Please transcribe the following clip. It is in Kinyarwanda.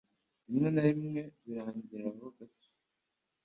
rimwe na rimwe birangeraho gato